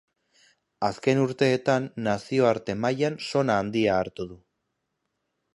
Azken urteetan Nazioarte mailan sona handia hartu du.